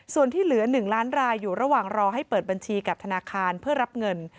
ส่วนที่เหลือ๑ล้านรายอยู่ระหว่างรอให้เปิดบัญชีกับธนาคารเพื่อรับเงิน